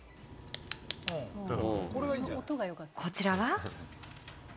こちらは。